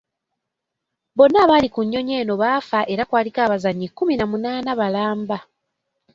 Bonna abaali ku nnyonyi eno baafa era kwaliko abazannyi kumi na munaana balamba.